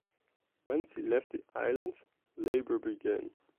When she left the island, labor began.